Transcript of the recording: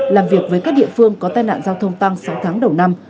làm việc với các địa phương có tai nạn giao thông tăng sáu tháng đầu năm